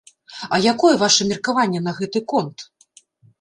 А якое ваша меркаванне на гэты конт?